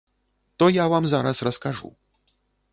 То я вам зараз раскажу.